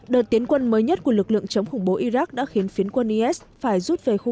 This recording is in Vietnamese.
đợt tiến quân mới nhất của lực lượng chống khủng bố iraq đã khiến phiến quân is phải rút về khu